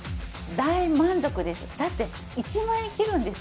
大満足です。